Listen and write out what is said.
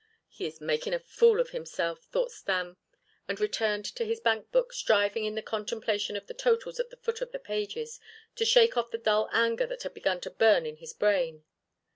"He is making a fool of himself," thought Sam, and returned to his bankbook, striving in the contemplation of the totals at the foot of the pages to shake off the dull anger that had begun to burn in his brain.